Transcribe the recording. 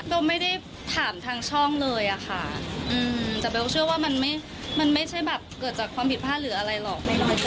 ไม่ได้ถามทางช่องเลยอะค่ะแต่เบลเชื่อว่ามันไม่ใช่แบบเกิดจากความผิดพลาดหรืออะไรหรอก